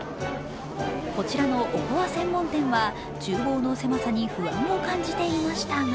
こちらの、おこわ専門店はちゅう房の狭さに不安を感じていましたが